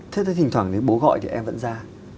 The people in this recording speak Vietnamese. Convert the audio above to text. thế thì thỉnh thoảng nếu bố gọi thì em vẫn ra